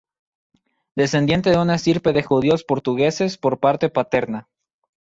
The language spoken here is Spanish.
Descendiente de una estirpe de judíos portugueses por parte paterna.